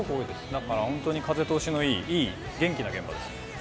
だから風通しのいい元気な現場ですね。